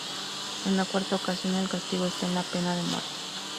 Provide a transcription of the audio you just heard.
En la cuarta ocasión, el castigo es la pena de muerte.